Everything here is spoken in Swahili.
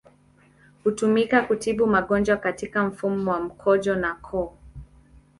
Hutumika kutibu magonjwa katika mfumo wa mkojo na koo.